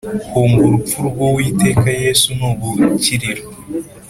Hunga urupfu rw’iteka yesu ni ubukiriro